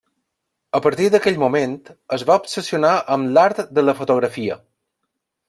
A partir d'aquell moment, es va obsessionar amb l'art de la fotografia.